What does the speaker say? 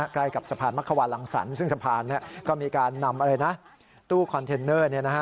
ใกล้กับสะพานมักขวาลังสรรค์ซึ่งสะพานก็มีการนำตู้คอนเทนเนอร์